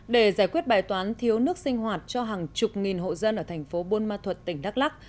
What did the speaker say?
để giải quyết bài toán thiếu nước sinh hoạt cho hàng chục nghìn hộ dân ở thành phố buôn ma thuật tỉnh đắk lắc